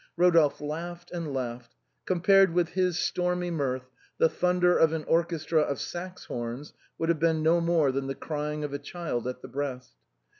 Eodolphe laughed and laughed. Compared with his stormy mirth, the thunder of an orchestra of sax horns would have been no more than the crying of a child at the breast.